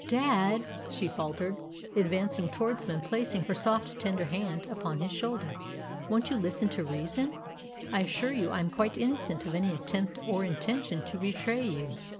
"Dad," she faltered, advancing towards him and placing her soft, tender hand upon his shoulder, "won't you listen to reason? I assure you I am quite innocent of any attempt or intention to betray you.